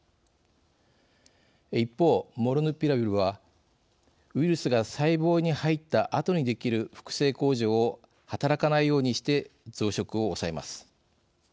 一方、モルヌピラビルはウイルスが細胞に入ったあとにできる複製工場を働かないようにして増殖を抑えます。